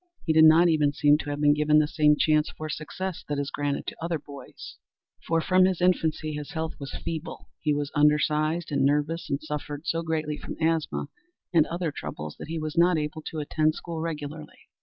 He did not even seem to have been given the same chance for success that is granted to other boys, for from his infancy his health was feeble, he was undersized, and nervous, and suffered so greatly from asthma and other troubles that he was not able to attend school regularly.